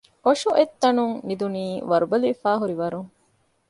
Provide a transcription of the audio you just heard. އޮށޮއޮތްތަނުން ނިދުނީ ވަރުބަލިވެފައިހުރިވަރުން